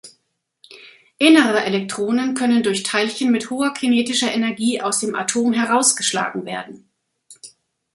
Innere Elektronen können durch Teilchen mit hoher kinetischer Energie aus dem Atom herausgeschlagen werden.